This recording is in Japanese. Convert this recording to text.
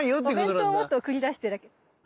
お弁当を持って送り出してるわけ。